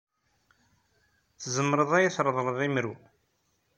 Tzemreḍ ad iyi-treḍleḍ imru?